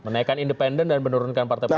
menaikkan independen dan menurunkan partai politik